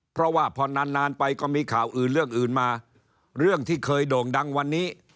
เพราะว่าพอนานนานไปก็มีข่าวอื่นเรื่องอื่นมาเรื่องที่เคยโด่งดังวันนี้